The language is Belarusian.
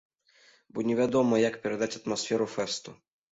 Бо невядома, як перадаць атмасферу фэсту.